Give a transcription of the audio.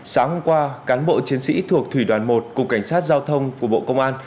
sáng hôm qua cán bộ chiến sĩ thuộc thủy đoàn một cục cảnh sát giao thông của bộ công an